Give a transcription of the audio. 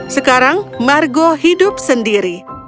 sekarang margo hidup sendiri